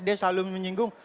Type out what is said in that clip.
dia selalu menyinggung